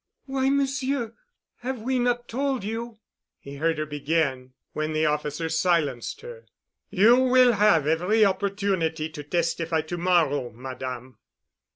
"Why, Monsieur, have we not told you——?" he heard her begin, when the officer silenced her. "You will have every opportunity to testify to morrow, Madame."